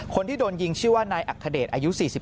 คนที่โดนยิงชื่อว่านายอัคเดชอายุ๔๓